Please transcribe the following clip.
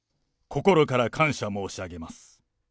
心から感謝申し上げます。